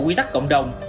các quy tắc cộng đồng